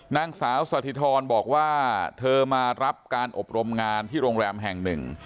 นางสาวสถิธรบอกว่าเธอมารับการอบรมงานที่โรงแรมแห่งหนึ่ง